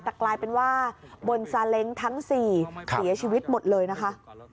แต่กลายเป็นว่าบนซาเล้งทั้ง๔เสียชีวิตหมดเลยนะคะ